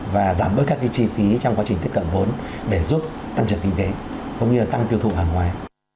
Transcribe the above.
và giảm bớt các chi phí trong quá trình tiếp cận vốn để giúp tăng trưởng kinh tế cũng như là tăng tiêu thụ hàng ngoài